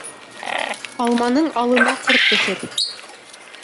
Алманың алына ҡорт төшөр.